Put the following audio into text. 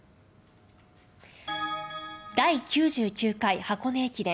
第９９回箱根駅伝。